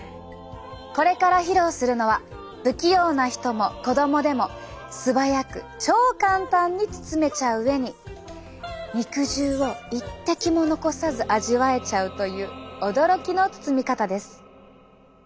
これから披露するのは不器用な人も子供でも素早く超簡単に包めちゃう上に肉汁を一滴も残さず味わえちゃうという驚きの包み方です。